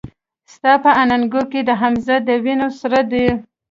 ستا په اننګو کې د حمزه د وينو سره دي